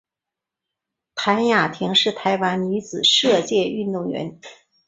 谭雅婷是台湾女子射箭运动员。